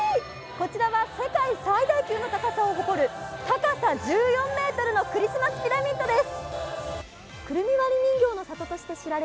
こちらは世界最大級の高さを誇る高さ１４ｍのクリスマスピラミッドです。